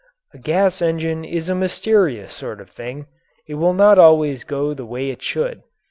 A gas engine is a mysterious sort of thing it will not always go the way it should.